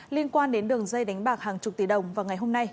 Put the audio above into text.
liên quan đến đường dây đánh bạc hàng chục tỷ đồng vào ngày hôm nay